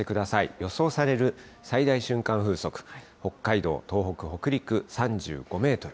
予想される最大瞬間風速、北海道、東北、北陸３５メートル。